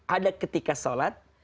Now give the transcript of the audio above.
ada ketika sholat